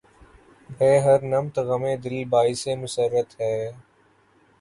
بہ ہر نمط غمِ دل باعثِ مسرت ہے